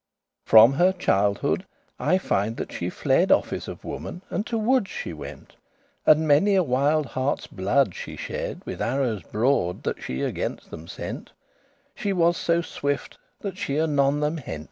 From her childhood I finde that she fled Office of woman, and to woods she went, And many a wilde harte's blood she shed With arrows broad that she against them sent; She was so swift, that she anon them hent.